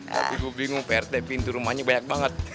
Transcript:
tapi gue bingung pak rt pintu rumahnya banyak banget